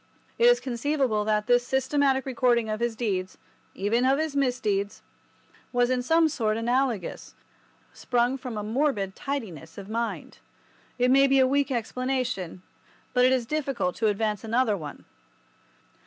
It is conceivable that this systematic recording of his deeds—even of his misdeeds—was in some sort analogous, sprung from a morbid tidiness of mind. It may be a weak explanation, but it is difficult to advance another one.